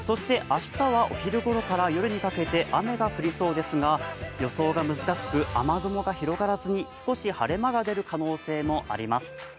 明日はお昼ごろから夜にかけて雨が降りそうですが予想が難しく雨雲が広がらずに少し晴れ間が出る可能性もあります。